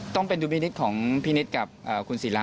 ต้องเป็นตัวมินิตของพี่นิตกับคุณสีระ